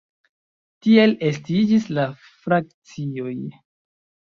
Tiel estiĝis la frakcioj.